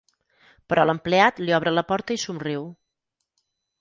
Però l'empleat li obre la porta i somriu.